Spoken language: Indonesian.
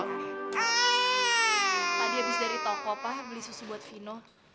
tadi habis dari toko pak beli susu buat vino